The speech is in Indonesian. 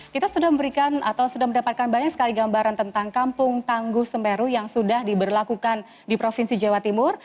kita sudah memberikan atau sudah mendapatkan banyak sekali gambaran tentang kampung tangguh semeru yang sudah diberlakukan di provinsi jawa timur